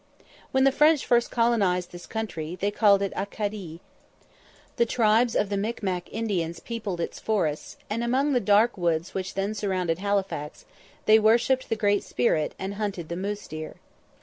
When the French first colonised this country, they called it "Acadie." The tribes of the Mic Mac Indians peopled its forests, and, among the dark woods which then surrounded Halifax, they worshipped the Great Spirit, and hunted the moose deer.